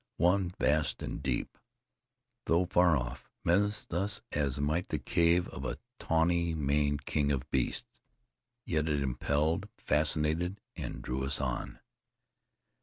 One, vast and deep, though far off, menaced us as might the cave of a tawny maned king of beasts; yet it impelled, fascinated and drew us on.